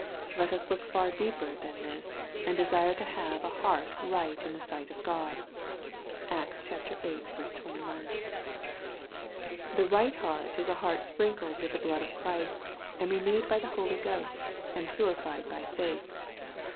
Let us look far deeper than this, and desire to have a " heart right in the sight of Gk)d." (Acts viii. 21.) The right heart is a heart sprinkled with the blood of Christ, and renewed by the Holy Ghost, and purified by faith.